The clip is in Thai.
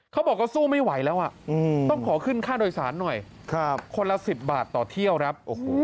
เขาบอกเขาสู้ไม่ไหวแล้วต้องขอขึ้นค่าโดยสารหน่อยคนละ๑๐บาทต่อเที่ยวครับ